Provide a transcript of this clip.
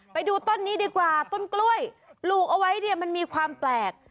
ไปดูต้นนี้ดีกว่าต้นกล้วยปลูกเอาไว้เนี่ยมันมีความแปลก